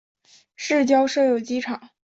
市郊设有机场。